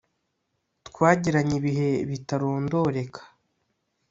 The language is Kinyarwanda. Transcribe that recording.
twagiranye ibihe bitarondoreka